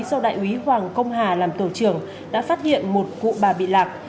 do đại úy hoàng công hà làm tổ trưởng đã phát hiện một cụ bà bị lạc